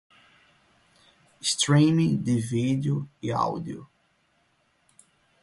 Streaming de vídeo e áudio